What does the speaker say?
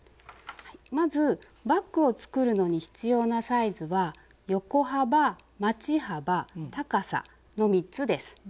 まずバッグを作るのに必要なサイズは横幅まち幅高さの３つです。